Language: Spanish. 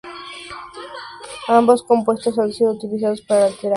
Ambos compuestos han sido utilizados para la terapia de la alopecia.